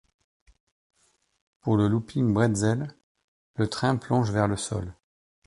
Pour le looping bretzel, le train plonge vers le sol.